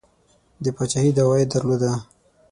د پاچهي دعوه یې درلوده.